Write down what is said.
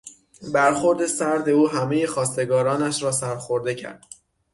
برخورد سرد او همهی خواستگارانش را سرخورده کرد.